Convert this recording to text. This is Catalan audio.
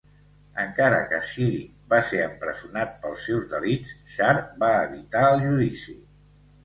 Encara que Cyric va ser empresonat pels seus delits, Shar va evitar el judici.